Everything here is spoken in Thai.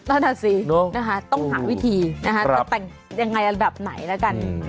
นั่นแหละสิต้องหาวิธีจะแต่งยังไงระดับไหนละกัน